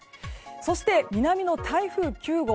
そして南の台風９号